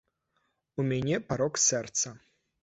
У мяне парок сэрца.